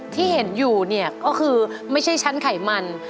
ที่เห็นอยู่เนี่ยก็คือไม่ใช่ชั้นไขมัน